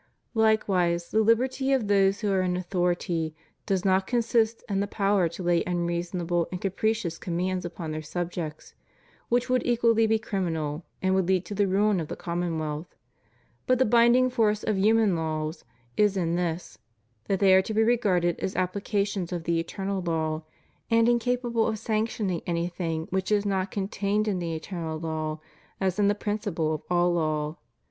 Likewise, the liberty of those who are in authority does not consist in the power to lay unreasonable and capricious commands upon their subjects, which would equally be criminal and would lead to the ruin of the commonwealth; but the binding force of human laws is in this, that they are to be regarded as applications of the eternal law, and in capable of sanctioning anything which is not contained in the eternal law, as in the principle of all law.